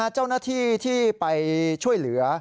เจ้าหน้าที่ที่ไปช่วยเหลือ